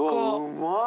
うまい！